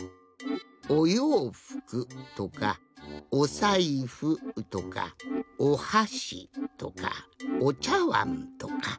「おようふく」とか「おさいふ」とか「おはし」とか「おちゃわん」とか。